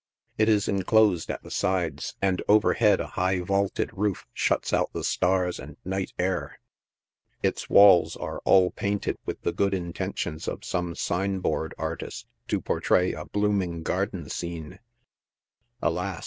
It is enclosed at the sides, and overhead a high vaulted roof shuts out the stars and night air — its walls are all painted with the good intentions of some sign board artist to portray a blooming garden scene — alas